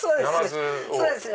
そうです！